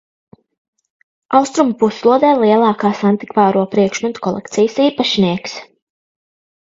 Austrumu puslodē lielākās antikvāro priekšmetu kolekcijas īpašnieks.